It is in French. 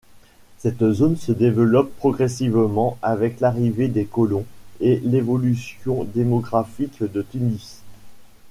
Cette zone se développe progressivement avec l'arrivée des colons et l'évolution démographique de Tunis.